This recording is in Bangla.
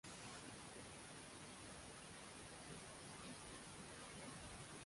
তাই তিনি সেই প্রকৃতির অনুপ্রেরণায় বইটির নাম রেখেছেন।